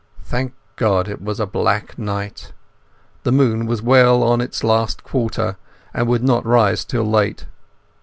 Thank God it was a black night. The moon was well on its last quarter and would not rise till late.